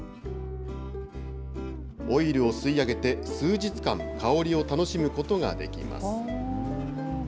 オイルを吸い上げて数日間、香りを楽しむことができます。